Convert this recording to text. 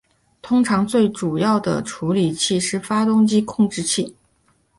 通常最主要的处理器是发动机控制器。